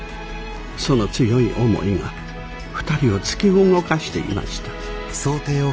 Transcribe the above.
その強い思いが２人を突き動かしていました。